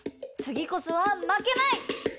つぎこそはまけない！